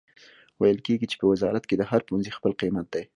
ویل کیږي چې په وزارت کې د هر پوهنځي خپل قیمت دی